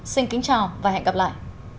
xin kính chào và hẹn gặp lại